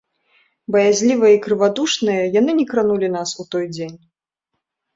Баязлівыя і крывадушныя, яны не кранулі нас у той дзень.